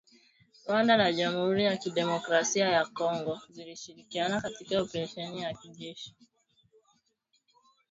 Rwanda na Jamuhuri ya kidemokrasia ya Kongo zilishirikiana katika oparesheni ya kijeshi